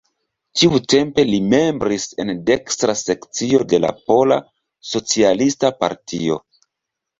Tiutempe li membris en dekstra sekcio de la pola, socialista partio.